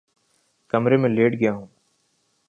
کمرے میں لیٹ گیا ہوں